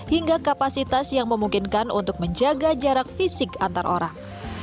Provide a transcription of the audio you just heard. hingga kapasitas yang memungkinkan untuk menjaga jarak fisik antar orang